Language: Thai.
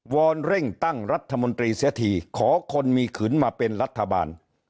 อนเร่งตั้งรัฐมนตรีเสียทีขอคนมีขืนมาเป็นรัฐบาล